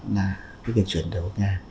là cái việc chuyển đổi nhà